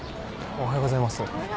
おはようございます。